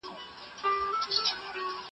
زه هره ورځ کتابتوننۍ سره وخت تېرووم.